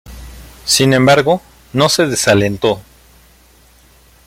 Sin embargo, no se desalentó.